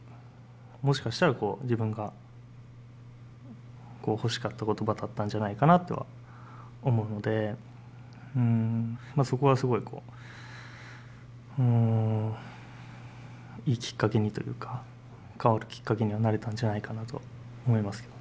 もしかしたら自分が欲しかった言葉だったんじゃないかなとは思うのでまあそこはすごいいいきっかけにというか変わるきっかけにはなれたんじゃないかなと思います。